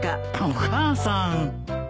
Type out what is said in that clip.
お母さん。